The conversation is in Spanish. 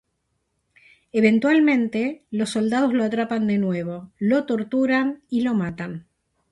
Eventualmente los soldados lo atrapan de nuevo, lo torturan y lo matan.